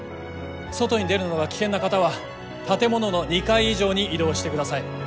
外に出るのが危険な方は建物の２階以上に移動してください。